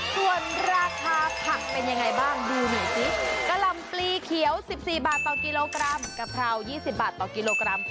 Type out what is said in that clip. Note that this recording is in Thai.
ส่วนราคาผักเป็นยังไงบ้างดูหน่อยสิกะหล่ำปลีเขียว๑๔บาทต่อกิโลกรัมกะเพรา๒๐บาทต่อกิโลกรัม